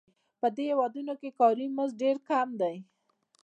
په دې هېوادونو کې کاري مزد ډېر کم دی